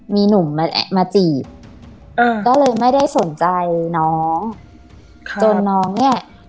มีหนุ่มมามาจีบอ่าก็เลยไม่ได้สนใจน้องค่ะจนน้องเนี้ย